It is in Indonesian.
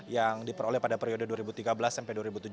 yang diperoleh pada periode dua ribu tiga belas sampai dua ribu tujuh belas